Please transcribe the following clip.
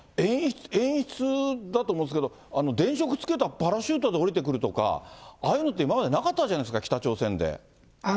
演出だと思うんですけど、電飾つけたパラシュートで降りてくるとか、ああいうのって今まで、なかったじゃないですか、北朝鮮で。